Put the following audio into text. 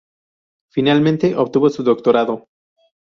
Finalmente, obtuvo su doctorado.